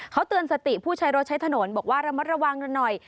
เขาเตือนสติผู้ใช้รถใช้ถนนบอกว่าระมัดระวังกันหน่อย